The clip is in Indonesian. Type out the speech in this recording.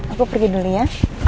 aku pergi dulu ya